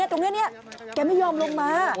ตรงนี้แกไม่ยอมลงมา